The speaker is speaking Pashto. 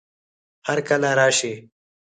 هر کله راشئ